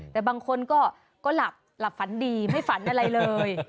แต่บางคนก็หลับหลับฝันดีไม่ฝันอะไรเลย